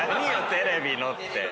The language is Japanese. ⁉「テレビの」って。